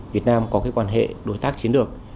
việt nam có quan hệ đối tác chiến lược